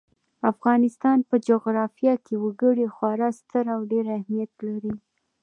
د افغانستان په جغرافیه کې وګړي خورا ستر او ډېر اهمیت لري.